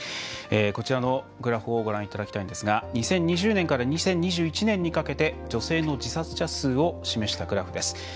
こちらのグラフをご覧いただきたいんですが２０２０年から２０２１年にかけて女性の自殺者数を示したグラフです。